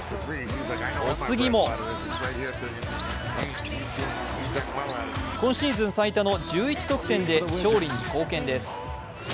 お次も今シーズン最多の１１得点で勝利に貢献です。